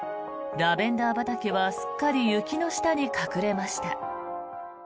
ラベンダー畑はすっかり雪の下に隠れました。